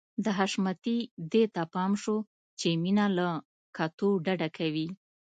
د حشمتي دې ته پام شو چې مينه له کتو ډډه کوي.